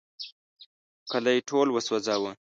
کلی ټول وسوځاوه.